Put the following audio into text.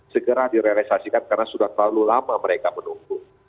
segera direalisasikan karena sudah terlalu lama mereka menunggu